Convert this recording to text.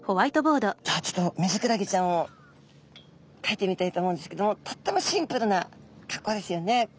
じゃあちょっとミズクラゲちゃんをかいてみたいと思うんですけどもとってもシンプルな格好ですよね。